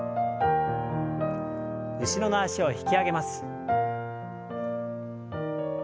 後ろの脚を引き上げます。